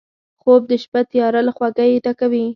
خوب د شپه تیاره له خوږۍ ډکوي